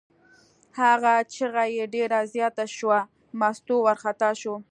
هغه چغه یې ډېره زیاته شوه، مستو وارخطا شوه.